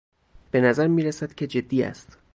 به نظر میرسد که جدی است.